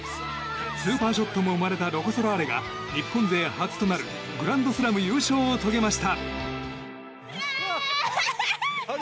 スーパーショットも生まれたロコ・ソラーレが日本勢初となるグランドスラム優勝を遂げました。